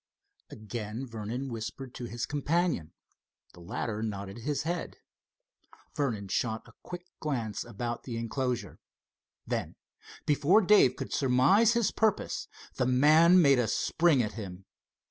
Again Vernon whispered to his companion. The latter nodded his head. Vernon shot a quick glance about the enclosure. Then, before Dave could surmise his purpose, the man made a spring at him.